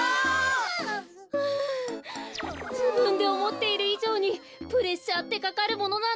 ふじぶんでおもっているいじょうにプレッシャーってかかるものなんですね。